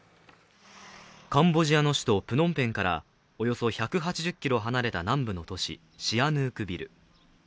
カンボジアの首都プノンペンからおよそ１８０ｋｍ離れた南部の都市・シアヌークビル。